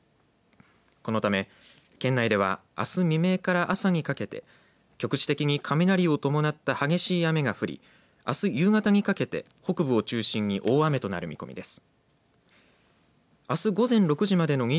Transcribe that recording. このため、県内ではあす未明から朝にかけて局地的に雷を伴った激しい雨が降りあす夕方にかけて北部を中心に大雨となる見込みです。